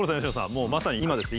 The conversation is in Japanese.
もうまさに今ですね